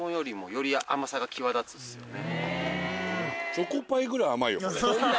チョコパイぐらい甘いよ。